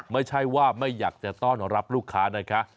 ไม่ใช่ว่าไม่อยากจะต้อนรับลูกค้านะคะ